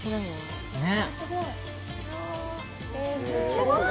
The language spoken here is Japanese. すごい！